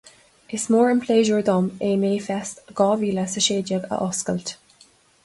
Is mór an pléisiúr dom é MayFest dhá mhíle a sé déag a oscailt